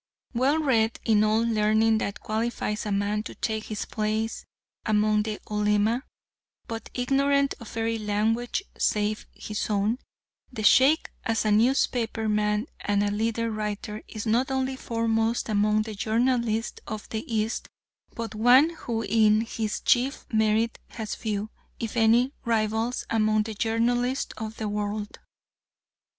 Well read in all learning that qualifies a man to take his place among the Ulema, but ignorant of every language save his own, the Sheikh, as a newspaper man and a leader writer, is not only foremost among the journalists of the East, but one who in his chief merit has few, if any, rivals among the journalists of the world.